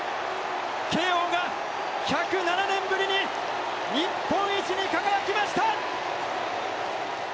慶応が、１０７年ぶりに日本一に輝きました！